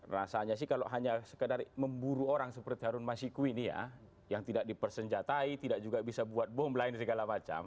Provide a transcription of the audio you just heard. rasanya sih kalau hanya sekedar memburu orang seperti harun masiku ini ya yang tidak dipersenjatai tidak juga bisa buat bom lain segala macam